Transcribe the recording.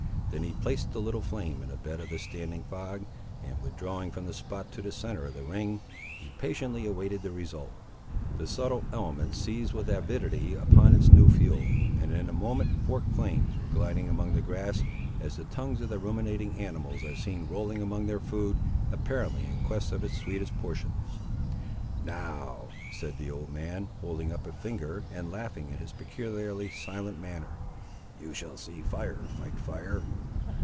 Then he placed the little flame in a bed of the standing fog, and withdrawing from the spot to the centre of the ring, he patiently awaited the result. The subtle element seized with avidity upon its new fuel, and in a moment forked flames were gliding among the grass, as the tongues of ruminating animals are seen rolling among their food, apparently in quest of its sweetest portions. "Now," said the old man, holding up a finger, and laughing in his peculiarly silent manner, "you shall see fire fight fire!